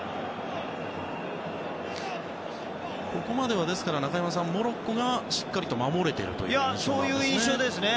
ここまでは中山さん、モロッコがしっかりと守れているということですね。